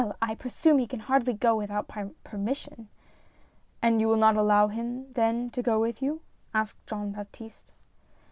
I presume he can hardly go without my permission "" And you will not allow him, then, to go with you ?" asked Jean Baptiste.